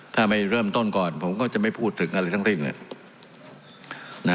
ถ้าไม่เริ่มต้นก่อนผมก็จะไม่พูดถึงอะไรทั้งสิ้นเลย